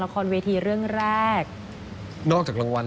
ในประวัติภาพการเล่นลิ้น